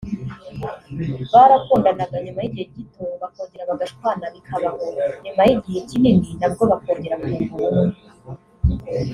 barakundanaga nyuma y’igihe gito bakongera bagashwana bikaba aho nyuma y’igihe kinini nabwo bakongera kunga ubumwe